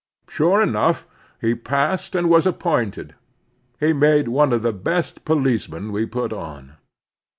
Sure enough, he passed and was ap pointed. He made one of the best policemen we put on.